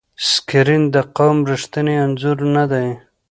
سکرین د قوم ریښتینی انځور نه دی.